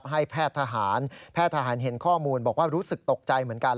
ให้แพทย์ทหารแพทย์ทหารเห็นข้อมูลบอกว่ารู้สึกตกใจเหมือนกัน